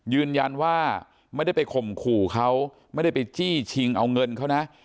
ยืนยันว่าไม่ได้ไปข่มขู่เขาไม่ได้ไปจี้ชิงเอาเงินเขานะ